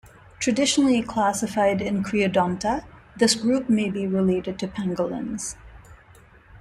Traditionally classified in Creodonta, this group may be related to pangolins.